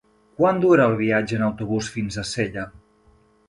Quant dura el viatge en autobús fins a Sella?